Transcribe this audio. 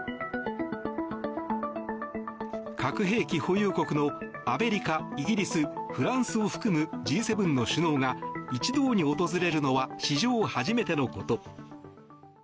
核兵器保有国のアメリカイギリス、フランスを含むＧ７の首脳が一堂に訪れるのは史上初めてのこと。